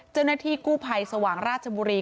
เจ้าหน้าที่กู้ภัยสว่างราชบุรี